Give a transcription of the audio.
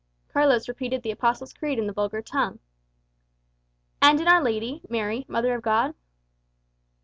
Carlos repeated the Apostles' Creed in the vulgar tongue. "And in Our Lady, Mary, Mother of God?"